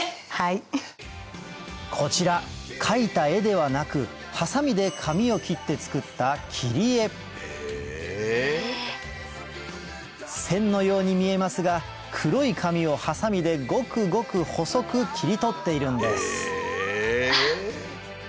こちら描いた絵ではなくハサミで紙を切って作った線のように見えますが黒い紙をハサミでごくごく細く切り取っているんです